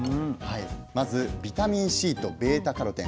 まずビタミンＣとβカロテン。